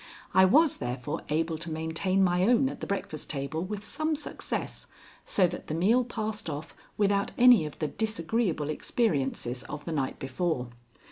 I was therefore able to maintain my own at the breakfast table with some success, so that the meal passed off without any of the disagreeable experiences of the night before.